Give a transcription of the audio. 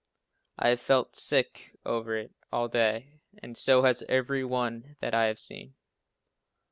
I have felt sick over it all day and so has every one that I have seen.